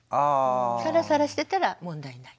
サラサラしてたら問題ない。